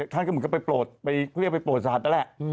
ท่านก็ไปโปรดเรียกว่าไปโปรดสัตว์นั่นแหละ